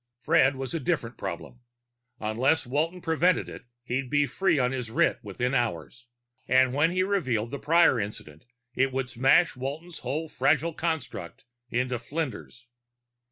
Fred was a different problem. Unless Walton prevented it, he'd be freed on his writ within hours and when he revealed the Prior incident, it would smash Walton's whole fragile construct to flinders.